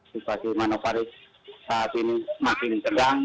situasi di manokwari saat ini makin sedang